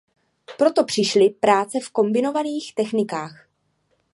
Proto přišly práce v kombinovaných technikách.